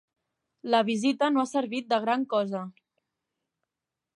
La visita no ha servit de gran cosa.